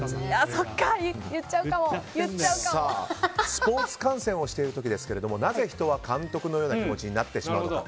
スポーツ観戦をしている時なぜ人は監督のような気持ちになってしまうのか。